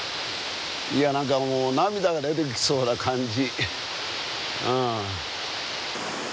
何かもう涙が出てきそうな感じ。